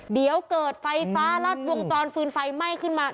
เดี๋ยวเกิดไฟฟ้าแล้วตรงตอนฟื้นไฟไหม้ขึ้นมา